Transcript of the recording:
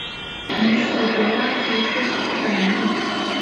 于是德拉就说出他的来历。